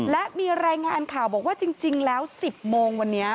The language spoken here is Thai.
และมีรายงานข่าวบอกว่าจริงแล้ว๑๐โมงวันนี้